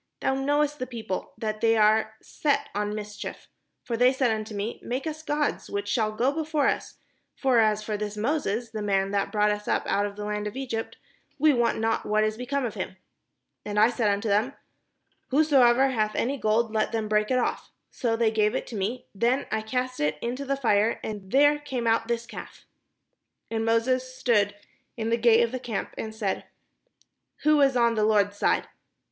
Thou knowest the people, that they are set on mis chief. For they said unto me, ' Make us gods, which shall go before us; for as for this Moses, the man that brought us up out of the land of Egypt, we wot not what is be come of him.' And I said unto them, 'Whosoever hath any gold, let them break it off.' So they gave it me; then I cast it into the fire and there came out this calf." Then Moses stood in the gate of the camp, and said : "Who is on the Lord's side?